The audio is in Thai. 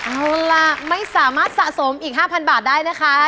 เอาล่ะไม่สามารถสะสมอีก๕๐๐บาทได้นะคะ